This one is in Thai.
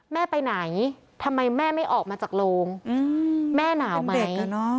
แม่ไปไหนทำไมแม่ไม่ออกมาจากโรงแม่หนาวไหม